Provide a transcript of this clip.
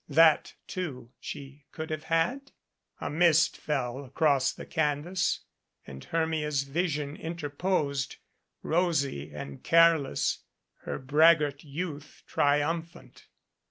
That, too, she could have had? A mist fell across the canvas and Hermia's vision in terposed, rosy and careless, her braggart youth trium phant.